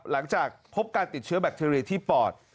หลังจากพบการติดเชื้อแบคทีเรียที่ปอด